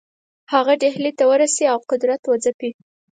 هغه ډهلي ته ورسي او قدرت وځپي.